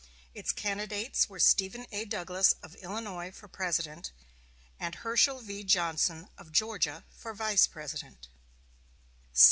Its candidates were Stephen A. Douglas of Illinois for President, and Herschel V. Johnson of Georgia for Vice President.